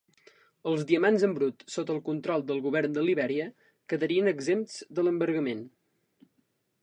Els diamants en brut sota el control del govern de Libèria quedarien exempts de l'embargament.